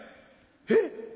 「えっ？」。